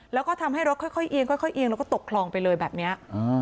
แล้วก็ทำให้รถค่อยเอียงค่อยเอียงแล้วก็ตกคลองไปเลยแบบนี้